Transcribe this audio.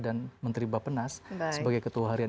dan menteri bapak nas sebagai ketua harian